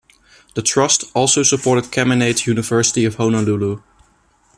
The trust also supported Chaminade University of Honolulu.